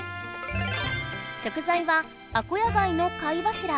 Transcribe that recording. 食ざいはアコヤガイの貝柱。